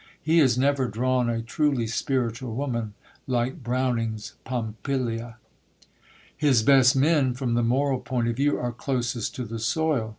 He has never drawn a truly spiritual woman, like Browning's Pompilia. His best men, from the moral point of view, are closest to the soil.